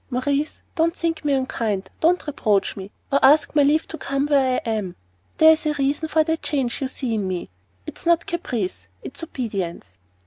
Maurice, don't think me unkind, don't reproach me, or ask my leave to come where I am. There is a reason for the change you see in me; it's not caprice, it is obedience."